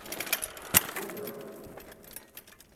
Wala!